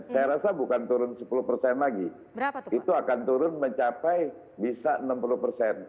saya rasa bukan turun sepuluh persen lagi itu akan turun mencapai bisa enam puluh persen